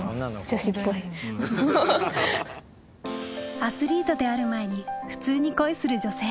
アスリートである前に普通に恋する女性。